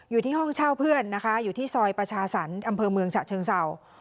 อยู่ที่ห้องเช่าเพื่อนนะคะอยู่ที่ซอยประชาสรรค์อำเภอเมืองฉะเชิงเศร้า